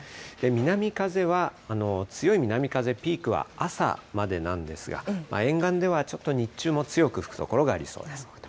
南風は、強い南風、ピークは朝までなんですが、沿岸ではちょっと日中も強く吹く所がありそうです。